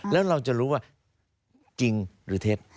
แล้วเราจะรู้ว่าจริงหรือเท็จ